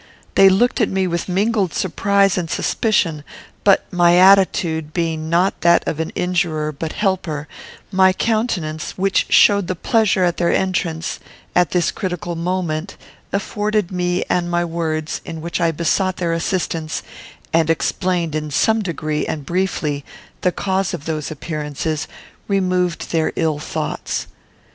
They looked at me with mingled surprise and suspicion; but my attitude, being not that of an injurer but helper; my countenance, which showed the pleasure their entrance, at this critical moment, afforded me; and my words, in which I besought their assistance, and explained, in some degree, and briefly, the cause of those appearances, removed their ill thoughts.